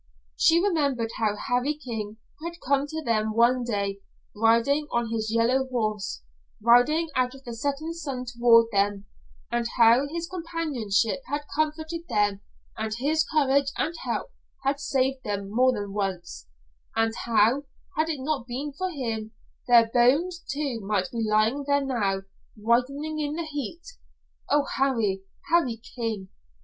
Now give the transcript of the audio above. She remembered how Harry King had come to them one day, riding on his yellow horse riding out of the setting sun toward them, and how his companionship had comforted them and his courage and help had saved them more than once, and how, had it not been for him, their bones, too, might be lying there now, whitening in the heat. Oh, Harry, Harry King!